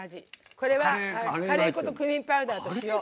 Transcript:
これは、カレー粉とクミンパウダーと塩。